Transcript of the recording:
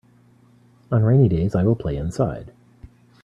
On rainy days I will play inside.